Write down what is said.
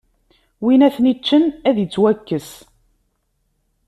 Win ara ten-iččen, ad ittwakkes.